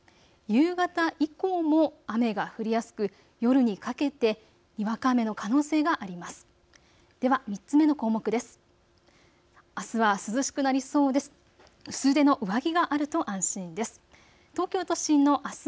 夕方以降も雨が降りやすく夜にかけてにわか雨の可能性があります。